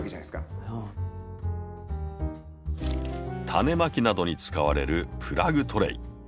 タネまきなどに使われるプラグトレイ。